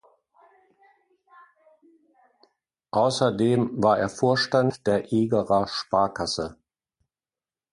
Außerdem war er Vorstand der Egerer Sparkasse.